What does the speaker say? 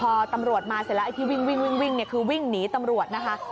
พอตำรวจมาเสร็จแล้วไอ้ที่วิ่งเนี่ยคือวิ่งหนีตำรวจนะคะ